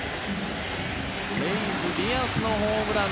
レイズ、ディアスのホームラン。